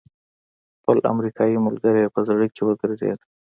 خپل امريکايي ملګری يې په زړه کې وګرځېد.